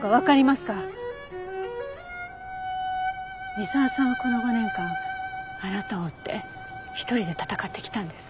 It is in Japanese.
三沢さんはこの５年間あなたを追って一人で闘ってきたんです。